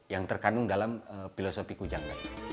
yang terkandung dalam filosofi kujang